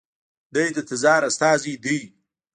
دی د تزار استازی دی.